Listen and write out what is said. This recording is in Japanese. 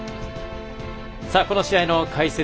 この試合の解説